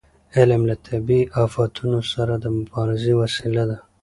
علم له طبیعي افتونو سره د مبارزې وسیله ده.